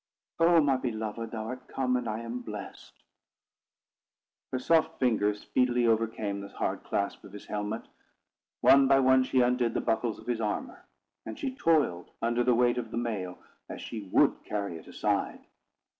"O my beloved, thou art come, and I am blessed." Her soft fingers speedily overcame the hard clasp of his helmet; one by one she undid the buckles of his armour; and she toiled under the weight of the mail, as she would carry it aside.